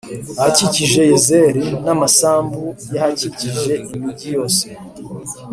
ahakikije Yazeri n amasambu y ahakikije imigi yose